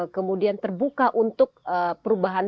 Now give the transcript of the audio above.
kalau budaya silam mereka memiliki kegiatan